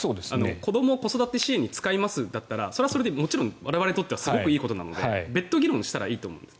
子ども子育て支援に使いますだったらそれはそれで我々にとってはすごくいいことなので別途、議論したらいいと思うんです。